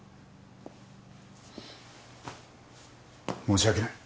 申し訳ない。